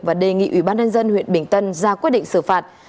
và đề nghị ủy ban nhân dân huyện bình tân ra quyết định xử phạt